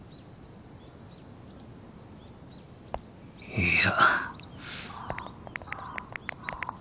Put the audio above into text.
いや。